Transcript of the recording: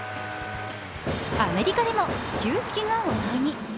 アメリカでも始球式が話題に。